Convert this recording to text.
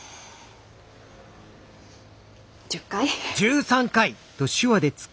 １０回？